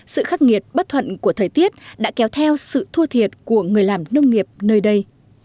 sự khắc nghiệt bất thuận của thời tiết đã kéo theo sự thua thiệt của người làm nông nghiệp nơi đây